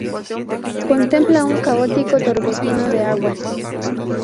Contempla un caótico torbellino de aguas.